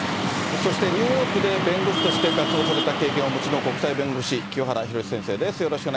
そしてニューヨークで弁護士として活動された経験をお持ちの国際弁護士、清原博先生です。